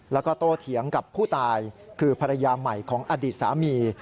แล้วก็โตเถียงกับผู้ตายคือภรรยาใหม่ของอดีตสามี